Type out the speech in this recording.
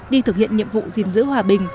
đi thực hiện nhiệm vụ diên dữ hòa bình